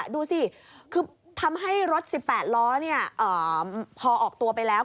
ดูสิคือทำให้รถ๑๘ล้อพอออกตัวไปแล้ว